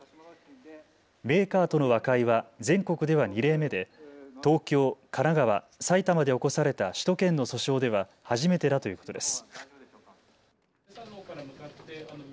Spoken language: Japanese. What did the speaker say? メーカーとの和解は全国では２例目で東京、神奈川、埼玉で起こされた首都圏の訴訟では初めてだということです。